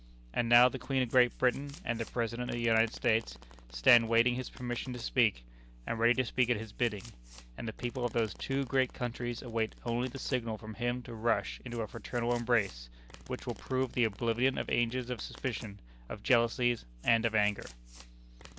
And now the Queen of Great Britain and the President of the United States stand waiting his permission to speak, and ready to speak at his bidding; and the people of these two great countries await only the signal from him to rush into a fraternal embrace which will prove the oblivion of ages of suspicion, of jealousies and of anger."